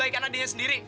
baikkan adiknya sendiri